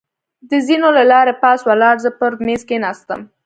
د زېنو له لارې پاس ولاړ، زه پر مېز کېناستم.